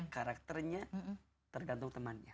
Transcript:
karakternya tergantung temannya